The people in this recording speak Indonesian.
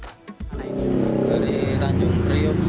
hemat biaya seperti apa